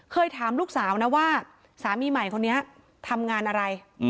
เคยถามลูกสาวนะว่าสามีใหม่คนนี้ทำงานอะไร